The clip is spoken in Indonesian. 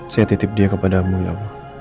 saya titip dia kepadamu ya allah